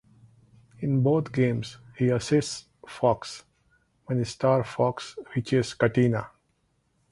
In both games, he assists Fox when Star Fox reaches Katina.